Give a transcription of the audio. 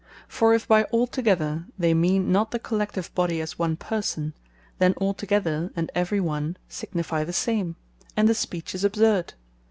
For if by All Together, they mean not the collective body as one person, then All Together, and Every One, signifie the same; and the speech is absurd.